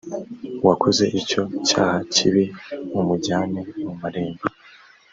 wakoze icyo cyaha kibi umujyane mu marembo